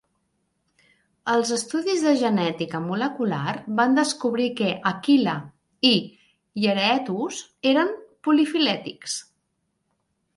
Els estudis de genètica molecular van descobrir que "Aquila" i "Hieraaetus" eren polifilètics.